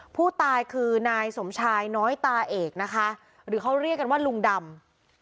ผู้ตายคือนายสมชายน้อยตาเอกนะคะหรือเขาเรียกกันว่าลุงดำ